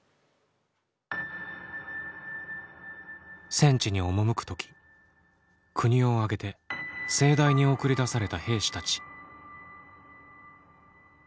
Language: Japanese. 戦地に赴く時国を挙げて盛大に送り出された兵士たち。